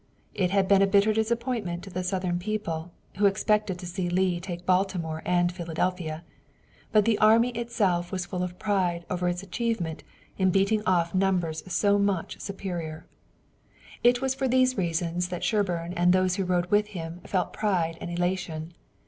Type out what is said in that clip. It had been a bitter disappointment to the Southern people, who expected to see Lee take Baltimore and Philadelphia, but the army itself was full of pride over its achievement in beating off numbers so much superior. It was for these reasons that Sherburne and those who rode with him felt pride and elation.